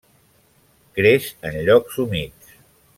Creix en llocs humits.